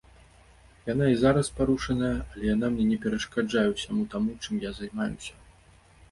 Яна і зараз парушаная, але яна мне не перашкаджае ўсяму таму, чым я займаюся.